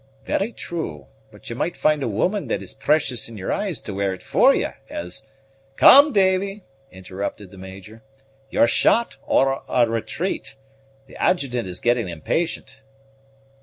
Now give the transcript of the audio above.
"Very true; but ye might find a woman that is precious in your eyes to wear it for ye, as " "Come, Davy," interrupted the Major, "your shot or a retreat. The Adjutant is getting impatient."